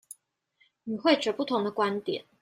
與會者不同的觀點